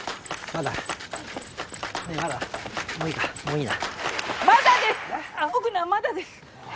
まだです！え？